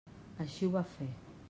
Així ho va fer.